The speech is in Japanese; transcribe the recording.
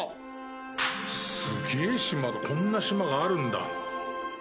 すげぇ島だこんな島があるんだ。